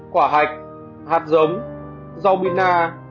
quả hạch hạt giống rau bina